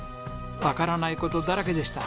わからない事だらけでした。